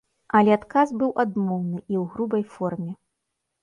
Але адказ быў адмоўны і ў грубай форме.